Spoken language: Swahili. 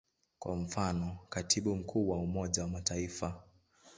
Kwa mfano, Katibu Mkuu wa Umoja wa Mataifa.